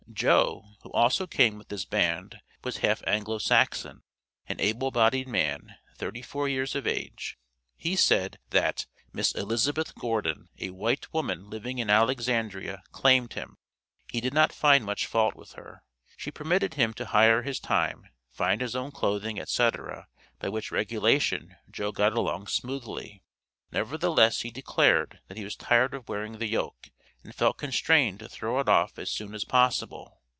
Joe, who also came with this band, was half Anglo Saxon; an able bodied man, thirty four years of age. He said, that "Miss Elizabeth Gordon, a white woman living in Alexandria," claimed him. He did not find much fault with her. She permitted him to hire his time, find his own clothing, etc., by which regulation Joe got along smoothly. Nevertheless he declared, that he was tired of wearing the yoke, and felt constrained to throw it off as soon as possible.